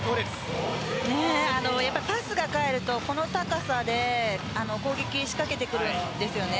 パスが返るとこの高さで攻撃、仕掛けてくるんですよね。